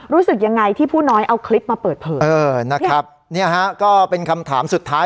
รู้สึกยังไงที่ผู้น้อยเอาคลิปมาเปิดเผยเออนะครับเนี่ยฮะก็เป็นคำถามสุดท้าย